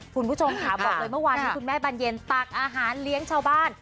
คุณผู้ชมค่ะบอกเลยเมื่อวานนี้คุณแม่บานเย็นตักอาหารเลี้ยงชาวบ้าน